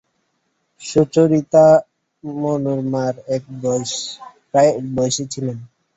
সুচরিতা মনোরমার প্রায় একবয়সী ছিল।